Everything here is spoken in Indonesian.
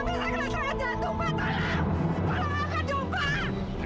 pelan pelan pelan